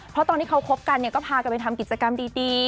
เพราะตอนที่เขาคบกันเนี่ยก็พากันไปทำกิจกรรมดี